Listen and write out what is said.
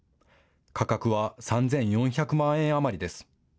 価格は３４００万円余りです。